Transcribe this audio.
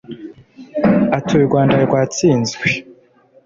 ati "U Rwanda rwatsinzwe